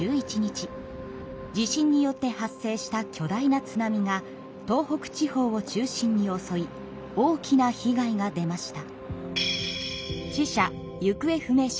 地震によって発生した巨大な津波が東北地方を中心におそい大きな被害が出ました。